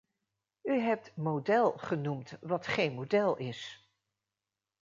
U hebt “model” genoemd wat geen model is.